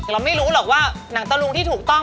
แต่เราไม่รู้หรอกว่าหนังตะลุงที่ถูกต้อง